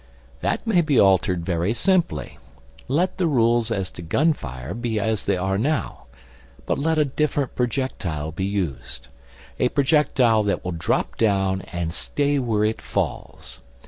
That may be altered very simply. Let the rules as to gun fire be as they are now, but let a different projectile be used a projectile that will drop down and stay where it falls.